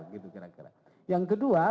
gitu kira kira yang kedua